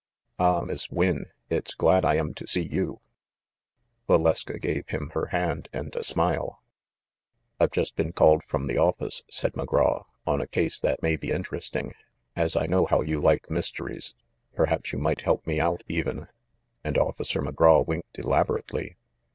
Ah, Miss Wynne, it's glad I am to see you !" Valeska gave him her hand and a smile. "I've just been called from the office," said McGraw, "on a case that may be interesting, as I know how you like mysteries. Perhaps you might help me out, even." And Officer McGraw winked elaborately.